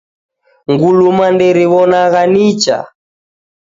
Nguluma nderiwonagha nicha